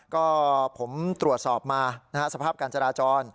ก็ผมตรวจสอบมาสภาพการจราจร